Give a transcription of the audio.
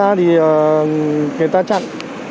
đến ic ba thì người ta chặn